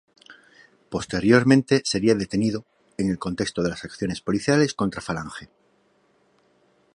Posteriormente sería detenido, en el contexto de las acciones policiales contra Falange.